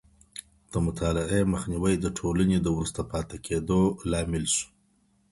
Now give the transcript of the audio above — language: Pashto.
د مطالعې مخنيوی د ټولني د وروسته پاته کېدو لامل سو.